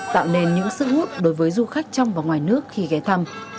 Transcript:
tạo nên những sức hút đối với du khách trong và ngoài nước khi ghé thăm